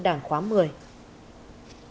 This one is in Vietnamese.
đảng khóa một mươi